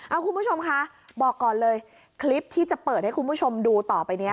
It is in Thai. เอาคุณผู้ชมคะบอกก่อนเลยคลิปที่จะเปิดให้คุณผู้ชมดูต่อไปนี้